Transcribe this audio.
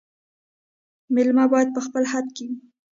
مېلمه باید په خپل حد کي وي